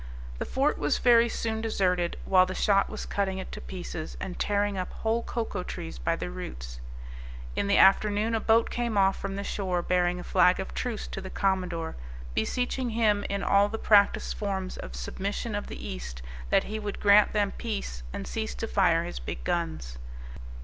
The fort was very soon deserted, while the shot was cutting it to pieces, and tearing up whole cocoa trees by the roots. In the afternoon a boat came off from the shore, bearing a flag of truce to the Commodore, beseeching him, in all the practised forms of submission of the east, that he would grant them peace, and cease to fire his big guns.